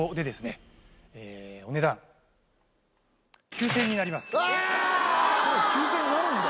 ９０００円になるんだ！